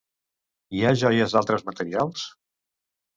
Hi ha joies d'altres materials?